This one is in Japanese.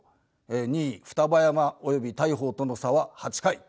２位双葉山および大鵬との差は８回。